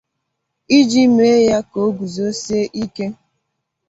iji mee ya ka o guzosie ike.